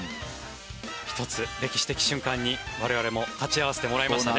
１つ、歴史的瞬間に我々も立ち会わせてもらいました。